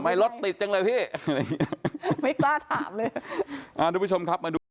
ทำไมรถติดจังเลยพี่ไม่กล้าถามเลย